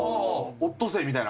オットセイみたいな。